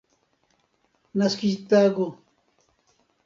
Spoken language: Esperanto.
naskiĝtago